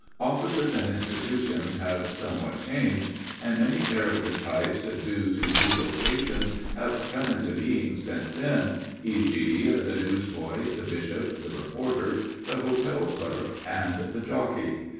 Offices and institutions have somewhat changed, and many character types due to new vocations have come into being since then, e.g. the newsboy, the bishop, the reporter, the hotel clerk, and the jockey.